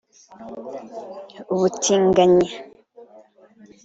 ubutinganyi